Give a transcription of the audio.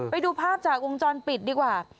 ไปดูภาพจากวงจรปิดดีกว่า